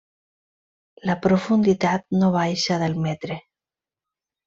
La profunditat no baixa del metre.